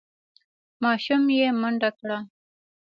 ماشوم یې منډه کړه.